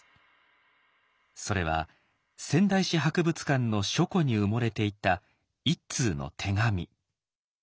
それは仙台市博物館の書庫に埋もれていた１通の手紙。